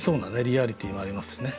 リアリティーもありますしね。